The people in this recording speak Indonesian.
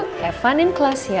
kevanin kelas ya